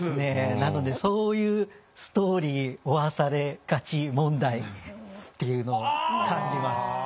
なのでそういう「ストーリー負わされがち問題」っていうのを感じます。